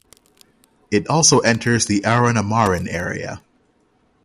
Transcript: It also enters Arun Amarin area.